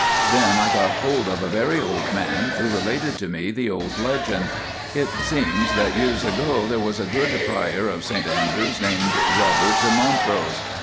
Then I got hold of a very old man, who related to me the old legend. It seems that years ago there was a good Prior of St Andrews named Robert de Montrose.